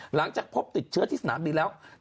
หลังจากพบติดเชื้อที่สนามบินแล้ว